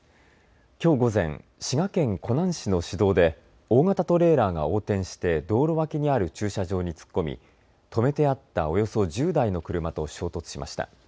きょう午前、滋賀県湖南市の市道で大型トレーラーが横転して道路脇にある駐車場に突っ込み止めてあったおよそ１０台の車と衝突しました。